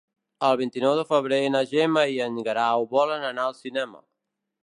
El vint-i-nou de febrer na Gemma i en Guerau volen anar al cinema.